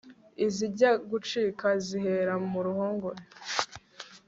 izijya gucika zihera muruhongore